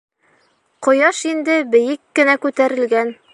Ҡояш инде бейек кенә күтәрелгән.